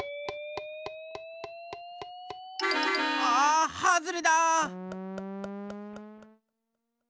あはずれだ！